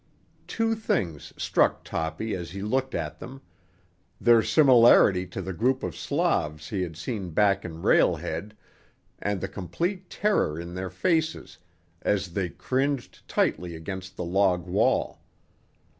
Two things struck Toppy as he looked at them—their similarity to the group of Slavs he had seen back in Rail Head, and the complete terror in their faces as they cringed tightly against the log wall.